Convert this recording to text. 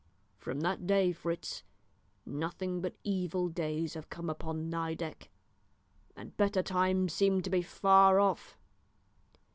"From that day, Fritz, none but evil days have come upon Nideck, and better times seem to be far off.